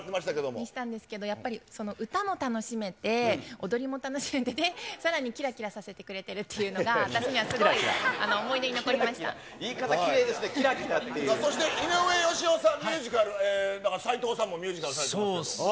にしたんですけど、やっぱりうたもたのしめて踊りも楽しめて、さらにきらきらさせてくれてるっていうのが、言い方きれいですね、きらきそして井上芳雄さん、ミュージカルから斎藤さんもミュージカルされてますけど。